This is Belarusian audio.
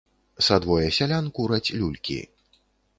Са двое сялян кураць люлькі.